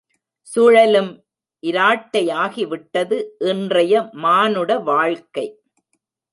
சுழலும் இராட்டையாகிவிட்டது இன்றைய மானுட வாழ்க்கை.